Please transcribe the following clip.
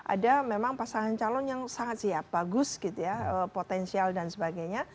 ada memang pasangan calon yang sangat siap bagus gitu ya potensial dan sebagainya